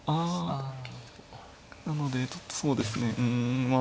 なのでちょっとそうですねうんまあ